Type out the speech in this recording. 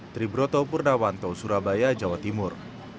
triburoto purnawanto surabaya jawa timur